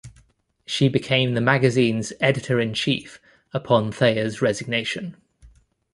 She became the magazine's editor-in-chief upon Thayer's resignation.